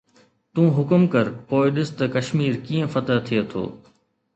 تون حڪم ڪر پوءِ ڏس ته ڪشمير ڪيئن فتح ٿئي ٿو